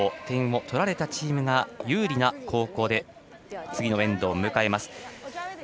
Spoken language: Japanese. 点を取られたチームが有利な後攻で次のエンドを迎えます。